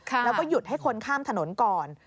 แล้วก็หยุดให้คนข้ามถนนก่อน